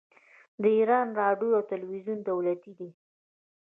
د ایران راډیو او تلویزیون دولتي دي.